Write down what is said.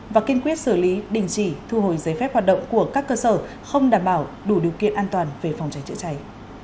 và kiên quyết xử lý đình chỉ thu hồi giấy phép hoạt động của các cơ sở không đảm bảo đủ điều kiện an toàn về phòng cháy chữa cháy